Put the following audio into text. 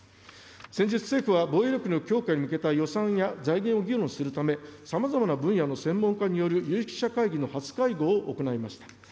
先日、政府は防衛力の強化に向けた予算や財源を議論するため、さまざまな分野の専門家による有識者会議の初会合を行いました。